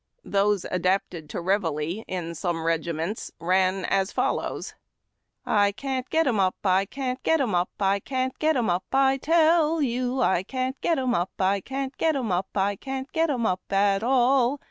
Those adapted to Reveille, in some regiments, ran as follows :— I can't get 'em up, I can't get 'em up, I can't get 'em up, I tell you. I can't get 'em up, I can't get 'em up, I can't get 'em ixp at all.